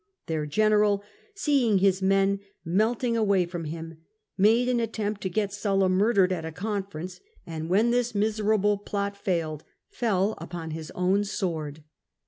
Their general, seeing his men melting away from him, made an attempt to get Sulla murdered at a conference, and when this miserable plot SULLA EETURNS TO ITALY 137 failed, fell upon his own sword.